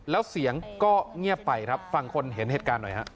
แล้วเสียงก็เงียบไปครับฟังคนเห็นเหตุการณ์หน่อยฮะ